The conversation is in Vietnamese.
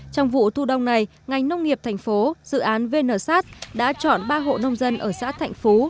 trong vụ thu đông này ngành nông nghiệp thành phố dự án vnsat đã chọn ba hộ nông dân ở xã thạnh phú